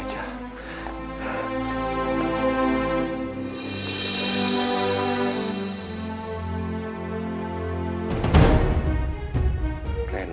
aku mau ke rumah